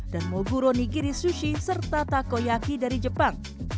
dan moguro nigiri sushi serta takoyaki dari jepang